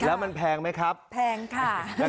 แล้วมันแพงไหมครับแพงค่ะ